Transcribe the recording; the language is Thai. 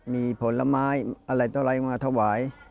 มีผลไม้อะไรตลาดมาถวาย